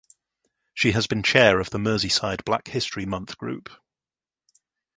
She has been chair of the Merseyside Black History Month Group.